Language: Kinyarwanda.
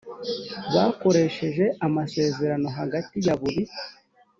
bakoresheje amasezerano hagati ya buri